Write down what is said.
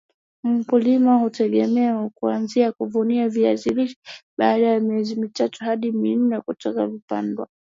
mkulima hutegemea kuanza kuvuna viazi lishe baada ya miezi mitatu hadi minne toka vimepandwa